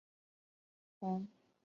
红磡站。